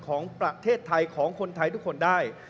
ของประเทศไทยของคนไทยทุกคนได้